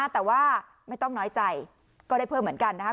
แต่ว่าไม่ต้องน้อยใจก็ได้เพิ่มเหมือนกันนะครับ